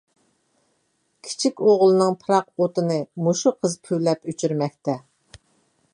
كىچىك ئوغلىنىڭ پىراق ئوتىنى مۇشۇ قىزى پۈۋلەپ ئۆچۈرمەكتە.